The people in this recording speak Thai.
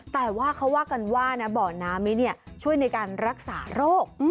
แต่ว่าเขาว่ากันว่านะบ่อน้ำนี้ช่วยในการรักษาโรค